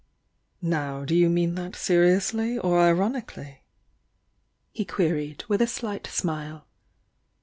"Now do you mean that seriously or ironically?" he queried, with a slight smile.